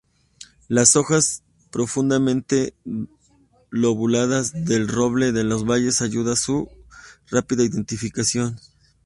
Las hojas profundamente lobuladas del roble de los valles ayuda a su rápida identificación.